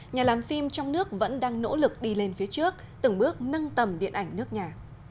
nhà làm phim trong nước vẫn đang nỗ lực đi lên phía trước từng bước nâng tầm điện ảnh nước nhà